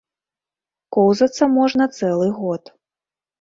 Коўзацца можна цэлы год.